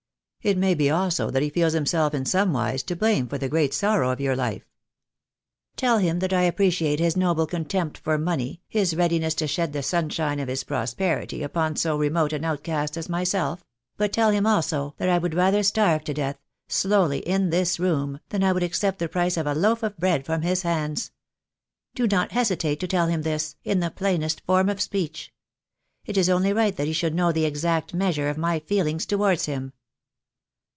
It may be also that he feels him self in some wise to blame for the great sorrow of your life." "Tell him that I appreciate his noble contempt for money, his readiness to shed the sunshine of his prosperity upon so remote an outcast as myself; but tell him also that I would rather starve to death, slowly in this room, than I would accept the price of a loaf of bread from 150 THE DAY WILL COME. his hands. Do not hesitate to tell him this, in the plainest form of speech. It is only right that he should know the exact measure of my feelings towards him."